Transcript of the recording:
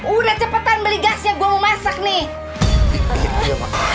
udah cepetan beli gasnya gue mau masak nih